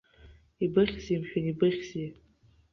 Ибыхьзеи, мшәан, ибыхьзеи!